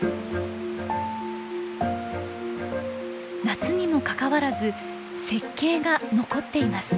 夏にもかかわらず雪渓が残っています。